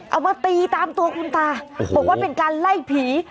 เอามาตีตามตัวคุณตาบอกว่าเป็นการไล่ผี